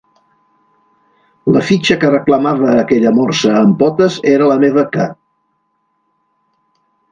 La fitxa que reclamava aquella morsa amb potes era la meva que.